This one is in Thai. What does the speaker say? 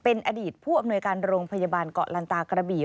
เป็นอดีตผู้อำนวยการโรงพยาบาลเกาะลันตากระบี่